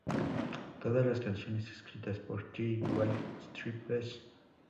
Todas las canciones escritas por The White Stripes.